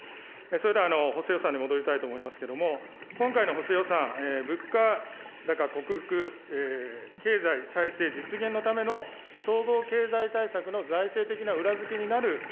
それでは、補正予算に戻りたいと思いますけれども、今回の補正予算、物価高克服、経済再生実現のための総合経済対策の財政的な裏付けになる